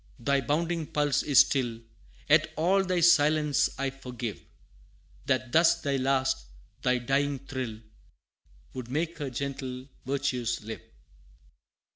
thy bounding pulse is still, Yet all thy silence I forgive, That thus thy last thy dying thrill, Would make Her gentle virtues live!